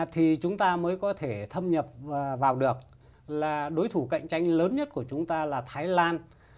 thì chúng ta mới có thể thâm nhập vào được là đối thủ cạnh tranh lớn nhất của chúng ta là thái lan